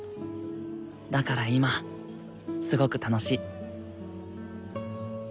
だから今すごく楽しい。